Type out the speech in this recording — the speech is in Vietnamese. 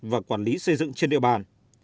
và quản lý xây dựng trên địa bàn